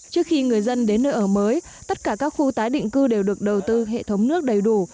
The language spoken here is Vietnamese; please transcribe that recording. trước khi người dân đến nơi ở mới tất cả các khu tái định cư đều được đầu tư hệ thống nước đầy đủ